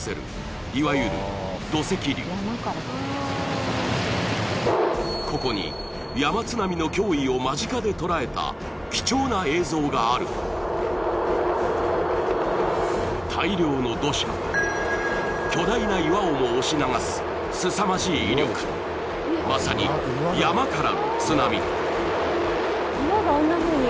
一見するとここに山津波の脅威を間近で捉えた貴重な映像がある大量の土砂巨大な岩をも押し流すすさまじい威力まさに山からの津波